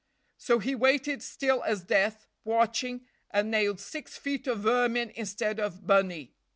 So he waited still as death, watching, and nailed six feet of vermin instead of bunny."